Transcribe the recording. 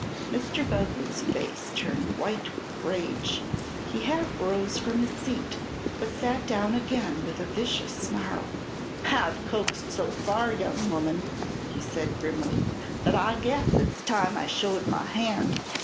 Mr. Boglin's face turned white with rage. He half rose from his seat, but sat down again with a vicious snarl. "I've coaxed, so far, young woman," he said grimly, "but I guess it's time I showed my hand.